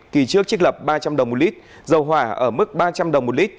kỳ trước trích lập ba trăm linh đồng một lít dầu hỏa ở mức ba trăm linh đồng một lít